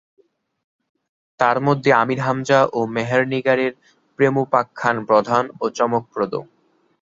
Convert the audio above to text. তারমধ্যে আমীর হামজা ও মেহেরনিগারের প্রেমোপাখ্যান প্রধান ও চমকপ্রদ।